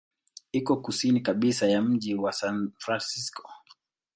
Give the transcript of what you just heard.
Iko kusini kabisa ya mji wa San Francisco.